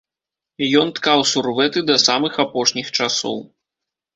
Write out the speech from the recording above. Ён ткаў сурвэты да самых апошніх часоў.